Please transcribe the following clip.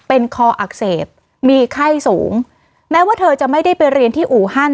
เป็นคออักเสบมีไข้สูงแม้ว่าเธอจะไม่ได้ไปเรียนที่อู่ฮั่น